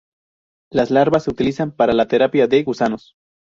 Las larvas se utilizan para la terapia de gusanos.